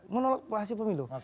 menolak hasil pemilu